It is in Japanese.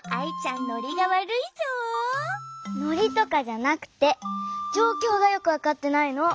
ノリとかじゃなくてじょうきょうがよくわかってないの。